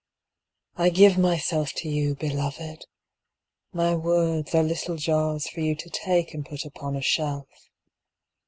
I give myself to you, Beloved! My words are little jars For you to take and put upon a shelf.